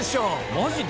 「マジで！？」